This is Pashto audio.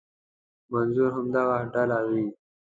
منظور همدغه ډله وي.